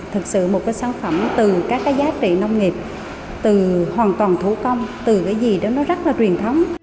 thực sự một cái sản phẩm từ các cái giá trị nông nghiệp từ hoàn toàn thủ công từ cái gì đó nó rất là truyền thống